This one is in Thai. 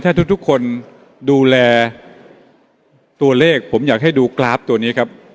ถ้าทุกคนดูแลตัวเลขผมอยากให้ดูกราฟตัวนี้ครับ